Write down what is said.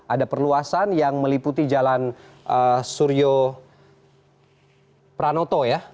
ada perluasan yang meliputi jalan suryo pranoto ya